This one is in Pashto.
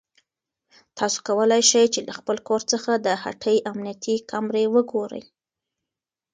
تاسو کولای شئ چې له خپل کور څخه د هټۍ امنیتي کامرې وګورئ.